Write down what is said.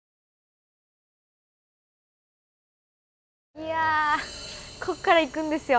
いやこっからいくんですよ